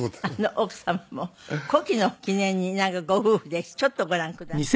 奥様も古希の記念にご夫婦でちょっとご覧ください。